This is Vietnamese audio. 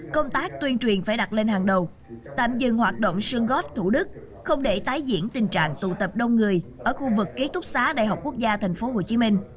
công tác tuyên truyền phải đặt lên hàng đầu tạm dừng hoạt động sương gót thủ đức không để tái diễn tình trạng tụ tập đông người ở khu vực ký túc xá đại học quốc gia tp hcm